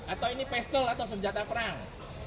atau ini pistol atau senjata perang